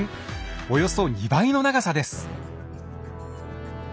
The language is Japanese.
およそ２倍の長さです。